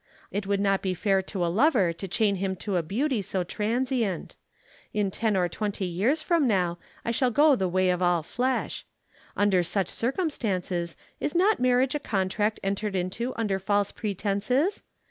It would not be fair to a lover to chain him to a beauty so transient. In ten or twenty years from now I shall go the way of all flesh. Under such circumstances is not marriage a contract entered into under false pretences?